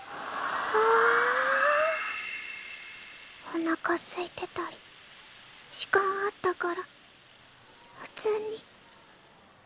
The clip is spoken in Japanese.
おなかすいてたり時間あったから普通に。